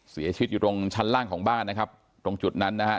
เสียชีวิตอยู่ตรงชั้นล่างของบ้านนะครับตรงจุดนั้นนะครับ